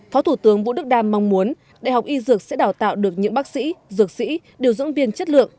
phó thủ tướng vũ đức đam mong muốn đại học y dược sẽ đào tạo được những bác sĩ dược sĩ điều dưỡng viên chất lượng